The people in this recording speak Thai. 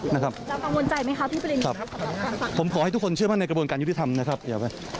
นะครับผมขอให้ทุกคนเชื่อมั่นในกระบวนการยุธิธรรมนะครับเดี๋ยวไว้